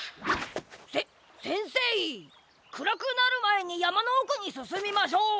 せせんせいくらくなるまえにやまのおくにすすみましょう。